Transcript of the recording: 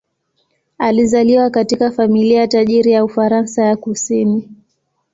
Alizaliwa katika familia tajiri ya Ufaransa ya kusini.